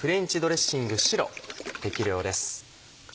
適量です。